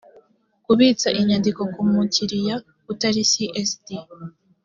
kubitsa inyandiko ku mu kiliya utari csd